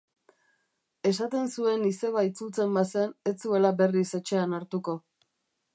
Esaten zuen izeba itzultzen bazen ez zuela berriz etxean hartuko.